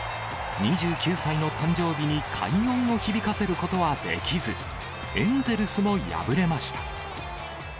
２９歳の誕生日に快音を響かせることはできず、エンゼルスも敗れました。